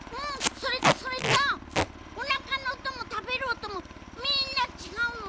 それとそれとおなかのおともたべるおともみんなちがうの。